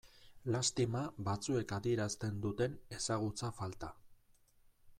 Lastima batzuek adierazten duten ezagutza falta.